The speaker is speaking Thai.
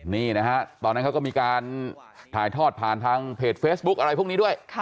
นี่นะฮะตอนนั้นเขาก็มีการถ่ายทอดผ่านทางเพจเฟซบุ๊คอะไรพวกนี้ด้วย